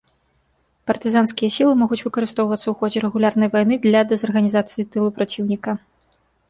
Партызанскія сілы могуць выкарыстоўвацца ў ходзе рэгулярнай вайны для дэзарганізацыі тылу праціўніка.